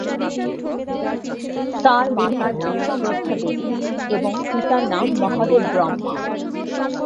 তাঁর মাতার নাম শ্রদ্ধা দেবী এবং পিতার নাম মহাদেব ব্রহ্মা।